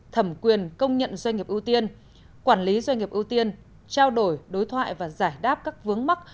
thẩm quyền công nhận doanh nghiệp ưu tiên quản lý doanh nghiệp ưu tiên trao đổi đối thoại và giải đáp các vướng mắt